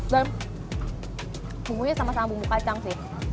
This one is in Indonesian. dan bumbunya sama sama bumbu kacang sih